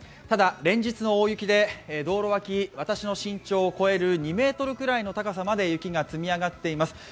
ただ、連日の大雪で道路脇、私の慎重を超える２ｍぐらいの高さまで雪が積み上がっています。